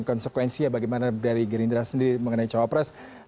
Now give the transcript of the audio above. dan konsekuensi bagaimana dari gerindra sendiri mengenai calon presiden